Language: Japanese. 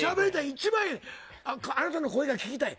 一番あなたの声が聞きたい